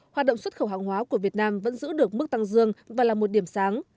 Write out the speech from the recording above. hoạt động xuất khẩu hàng hóa của việt nam vẫn giữ được mức tăng dương và là một điểm sáng